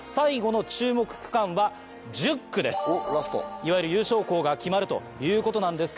いわゆる優勝校が決まるということなんですけど。